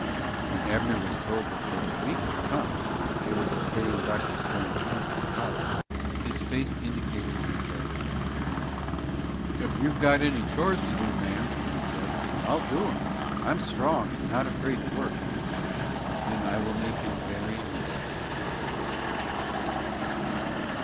When Abner was told that for a week to come they were to stay in Dr. Stone's comfortable house, his face indicated his satisfaction. "Ef you've got any chores to do, ma'am," he said, "I'll do 'em. I'm strong, and not afraid to work." "Then I will make you very useful," said Miss Stone, smiling.